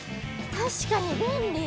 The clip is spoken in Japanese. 確かに便利。